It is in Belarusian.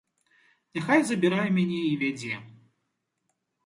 Няхай забірае мяне і вядзе.